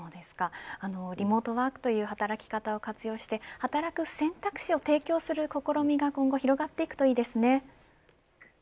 リモートワークという働き方を活用して働く選択肢を提供する試みが今後、広がるといいですね。